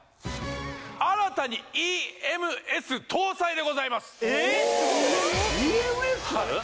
新たにＥＭＳ搭載でございますえっＥＭＳ？